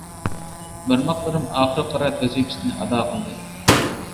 بارماقلىرىم ئاخىرقى رەت ۋەزىپىسىنى ئادا قىلدى.